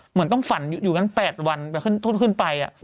เหมือนต้องฝันอยู่กัน๘วันไปขึ้นไปอ่ะ